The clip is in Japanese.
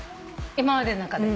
今までの中で？